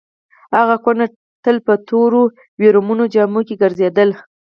هغه کونډه تل په تورو ویرمنو جامو کې ګرځېدله.